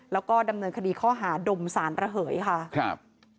แล้วก็ดำเนินคดีข้อหาดมสารระเหยค่ะครับ